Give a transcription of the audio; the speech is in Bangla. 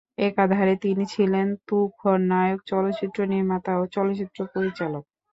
একাধারে তিনি ছিলেন তুখোড় নায়ক, চলচ্চিত্র নির্মাতা ও চলচ্চিত্র পরিচালক।